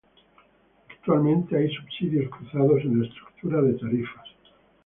Actualmente, hay subsidios cruzados en la estructura de tarifas.